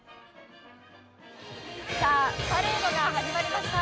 さあ、パレードが始まりました。